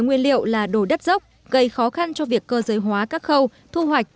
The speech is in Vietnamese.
nguyên liệu là đồ đất dốc gây khó khăn cho việc cơ giới hóa các khâu thu hoạch